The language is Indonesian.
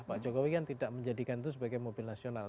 pak jokowi kan tidak menjadikan itu sebagai mobil nasional